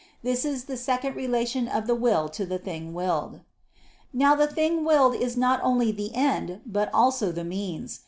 This is the second relation of the will to the thing willed. Now the thing willed is not only the end, but also the means.